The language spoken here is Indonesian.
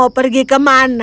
kau mau pergi ke mana